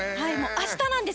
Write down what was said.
明日なんです！